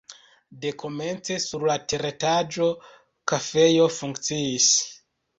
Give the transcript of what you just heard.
Dekomence sur la teretaĝo kafejo funkciis.